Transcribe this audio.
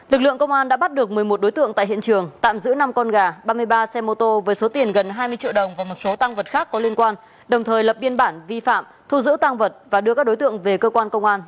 lực lượng công an đã bắt được một mươi một đối tượng tại hiện trường tạm giữ năm con gà ba mươi ba xe mô tô với số tiền gần hai mươi triệu đồng và một số tăng vật khác có liên quan đồng thời lập biên bản vi phạm thu giữ tăng vật và đưa các đối tượng về cơ quan công an